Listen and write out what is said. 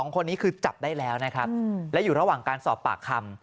๒คนนี้คือจับได้แล้วนะครับและอยู่ระหว่างการสอบปากคำ